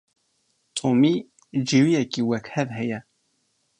Tomî cêwiyekî wekhev heye.